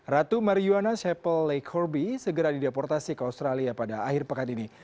ratu marijuana shappell lee corby segera dideportasi ke australia pada akhir pekan ini